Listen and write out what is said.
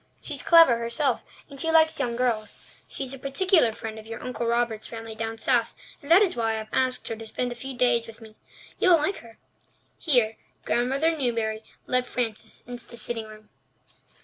She's clever herself, and she likes young girls. She is a particular friend of your Uncle Robert's family down south, and that is why I have asked her to spend a few days with me. You'll like her." Here Grandmother Newbury led Frances into the sitting room.